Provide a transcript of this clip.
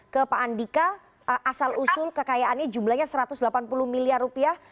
ke pak andika asal usul kekayaannya jumlahnya satu ratus delapan puluh miliar rupiah